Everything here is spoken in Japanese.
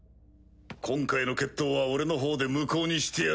今回の決闘は俺の方で無効にしてやる。